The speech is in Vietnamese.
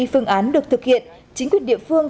phương án được thực hiện chính quyền địa phương